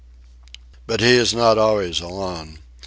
But he is not always alone.